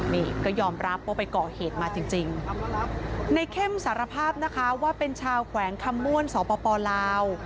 นี่ก็ยอมรับว่าไปก่อเหตุมาจริงในเข้มสารภาพนะคะว่าเป็นชาวแขวงคำม่วนสปลาว